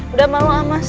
udah malu amas